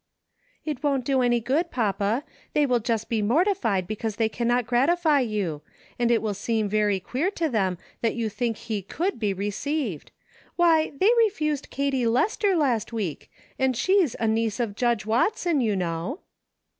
" It won't do any good, papa ; they will just be m.ortified because they can not gratify you ; and it will seem very queer to them that you think he could be received ; why, they refused Katie Lester last week, and she 's a niece of Judge Watson, you know."